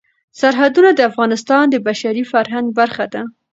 سرحدونه د افغانستان د بشري فرهنګ برخه ده.